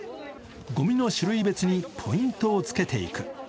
ごみの種類別にポイントをつけていく。